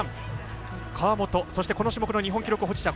川本、この種目の日本記録保持者